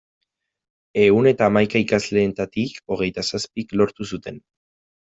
Ehun eta hamaika ikasleetatik hogeita zazpik lortu zuten.